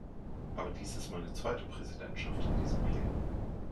Aber dies ist meine zweite Präsidentschaft in diesem Plenum.